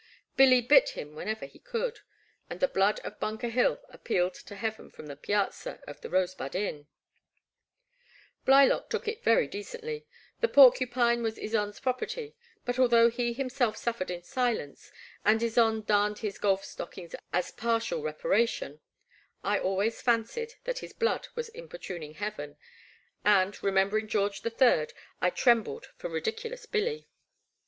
Billy bit him whenever he could, and the blood of Bunker Hill appealed to Heaven from the piazza of the Rosebud Inn ! Blylock took it very decently — ^the porcupine was Ysonde* s property — ^but although he himself suffered in silence, and Ysonde darned his golf stockings as partial reparation, I always fancied that his blood was importuning Heaven, and, re membering George III, I trembled for Ridiculous Billy.